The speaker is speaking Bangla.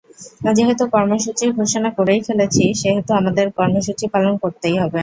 যেহেতু কর্মসূচি ঘোষণা করেই ফেলেছি, সেহেতু আমাদের কর্মসূচি পালন করতেই হবে।